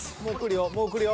もうくるよ